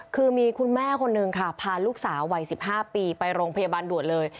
คือมีคุณแม่คนนึงค่ะพาลูกสาววัย๑๕ปีไปโรงพยาบาลด่วนเลย